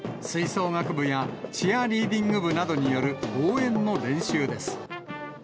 吹奏楽部やチアリーディング部などによる応援の練習です。